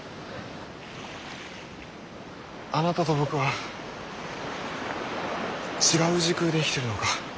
あなたと僕は違う時空で生きてるのか？